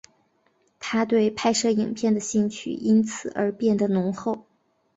他对拍摄影片的兴趣因此而变得浓厚。